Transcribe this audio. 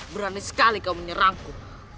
berani sekali kamu menyerangku